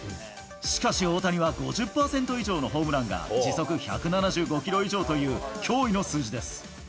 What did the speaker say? しかし、大谷は５０％以上のホームランが時速１７５キロ以上という驚異の数字です。